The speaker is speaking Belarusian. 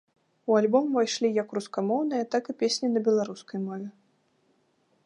У альбом увайшлі як рускамоўныя, так і песні на беларускай мове.